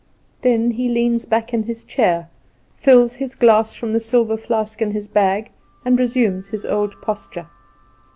Then he leans back in his chair, fills his glass from the silver flask in his bag, and resumes his old posture.